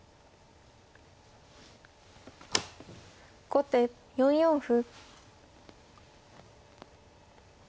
後手４四歩。